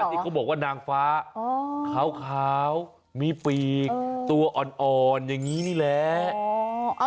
ที่เขาบอกว่านางฟ้าขาวมีปีกตัวอ่อนอย่างนี้นี่แหละ